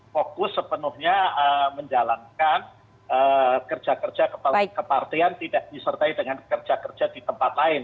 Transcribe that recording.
fokus sepenuhnya menjalankan kerja kerja kepartian tidak disertai dengan kerja kerja di tempat lain